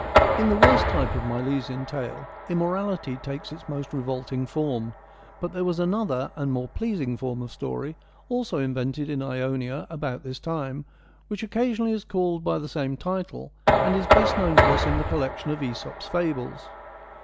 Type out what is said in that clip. In the worse type of Milesian Tale immorality takes its most revolting form ; but there was another and more pleasing form of story, also invented in Ionia about this time, which occasionally is called by the same title, and is best known to us in the collection of iEsop's Fables.